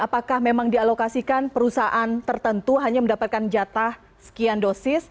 apakah memang dialokasikan perusahaan tertentu hanya mendapatkan jatah sekian dosis